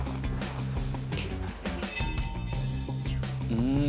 うん。